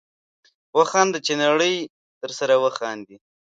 وخانده چې نړۍ درسره وخاندي